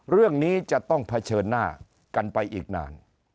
เรื่องนี้จะต้องเผชิญหน้ากันไปอีกนาน